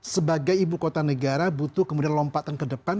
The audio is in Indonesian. sebagai ibu kota negara butuh kemudian lompatan ke depan